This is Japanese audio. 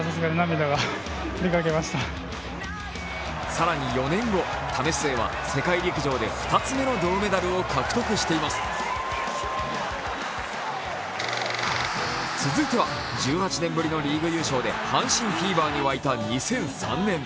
更に４年後、為末は世界陸上で２つ目の銅メダルを獲得しています続いては１８年ぶりのリーグ優勝で阪神優勝に沸いた２０１３年。